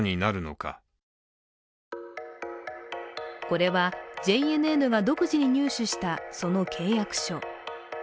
これはＪＮＮが独自に入手したその契約書。